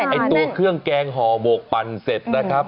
ไอ้ตัวเครื่องแกงห่อหมกปั่นเสร็จนะครับ